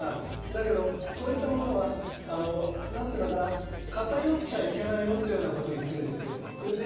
だけどそういったものは偏っちゃいけないよっていうようなことを言ってるんですよ。